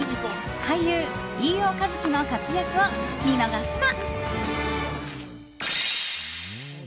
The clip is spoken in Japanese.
俳優・飯尾和樹の活躍を見逃すな。